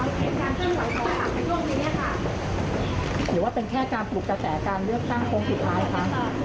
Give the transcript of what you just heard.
หรือว่าเป็นแค่การปลูกกระแสการเลือกสร้างโครงผิดท้ายค่ะ